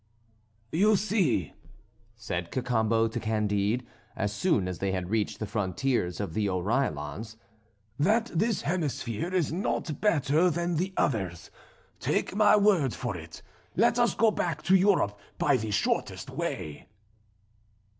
"You see," said Cacambo to Candide, as soon as they had reached the frontiers of the Oreillons, "that this hemisphere is not better than the others, take my word for it; let us go back to Europe by the shortest way."